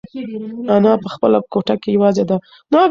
انا په خپله کوټه کې یوازې ده.